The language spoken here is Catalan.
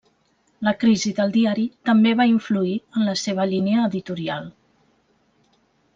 La crisi del diari també va influir en la seva línia editorial.